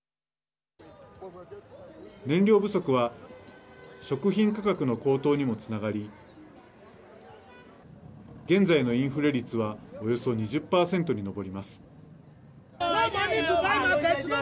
燃料不足は食品価格の高騰にもつながり現在のインフレ率はおよそ２０％に上ります。